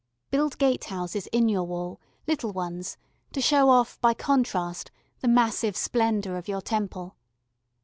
Build gatehouses in your wall, little ones, to show off, by contrast, the massive splendour of your Temple.